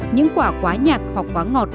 những quả quá nhạt hoặc quá ngọt